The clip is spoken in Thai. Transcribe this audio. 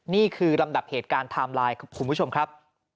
นี่คือลำดับเหตุการณ์ไทม์ไลน์ครับคุณผู้ชมครับ